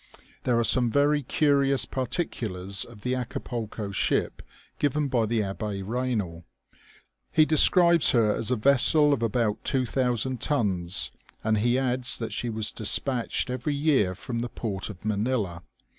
There are some very curious par ticulars of the Acapulco ship given by the Abb6 EaynaU He describes her as a vessel of about 2000 tons, and he adds that she was despatched every year from the port of Manila.